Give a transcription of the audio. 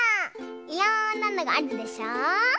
いろんなのがあるでしょ。